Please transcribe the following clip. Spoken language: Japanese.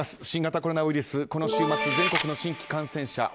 新型コロナウイルスこの週末、全国の新規感染者